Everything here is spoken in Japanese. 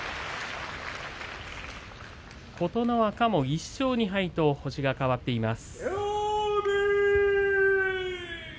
琴ノ若も１勝２敗と星が変わっています。